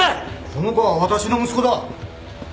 この子は私の息子だ。